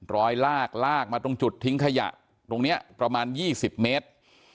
ลากลากมาตรงจุดทิ้งขยะตรงนี้ประมาณ๒๐เมตร